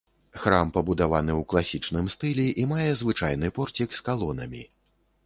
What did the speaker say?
Храм пабудаваны ў класічным стылі і мае звычайны порцік з калонамі.